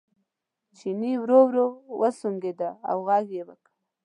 چیني ورو ورو وسونګېد او غږ یې وکړ.